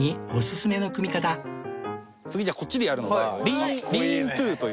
次じゃあこっちでやるのがリーントゥという。